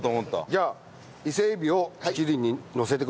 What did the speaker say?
じゃあ伊勢エビを七輪にのせてください。